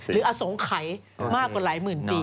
อสงไขมากกว่าหลายหมื่นปี